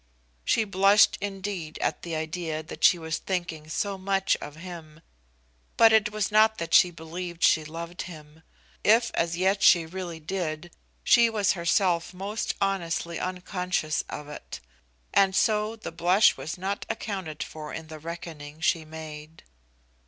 She blushed indeed at the idea that she was thinking so much of him, but it was not that she believed she loved him. If as yet she really did, she was herself most honestly unconscious of it; and so the blush was not accounted for in the reckoning she made.